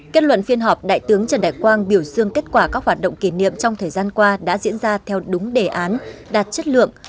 kết luận phiên họp đại tướng trần đại quang biểu dương kết quả các hoạt động kỷ niệm trong thời gian qua đã diễn ra theo đúng đề án đạt chất lượng